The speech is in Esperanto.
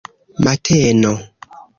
mateno